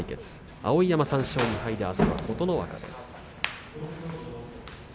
碧山は３勝２敗であすは琴ノ若です。